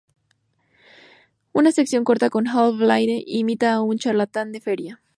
Una sección corta con Hal Blaine imitando a un charlatán de feria.